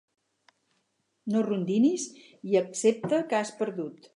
No rondinis i accepta que has perdut.